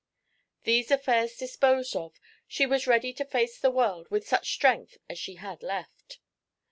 These affairs disposed of, she was ready to face the world with such strength as she had left.